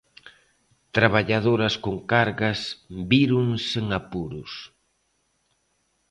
"Traballadoras con cargas víronse en apuros".